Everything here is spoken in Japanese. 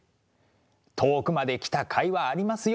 遠くまで来たかいはありますよ！